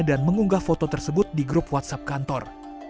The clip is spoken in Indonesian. dan mengunggah foto tersebut di grup whatsapp kantor